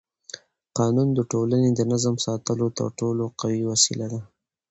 قانون د ټولنې د نظم ساتلو تر ټولو قوي وسیله ده